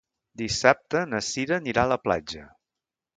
Dissabte na Sira anirà a la platja.